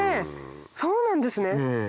そうなんですね。